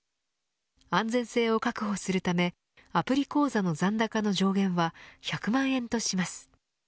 安全性を確保するためアプリ口座の残高の上限は１００万円とします。